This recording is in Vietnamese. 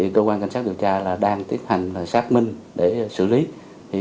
cơ quan cảnh sát điều tra đang tiến hành xác minh để xử lý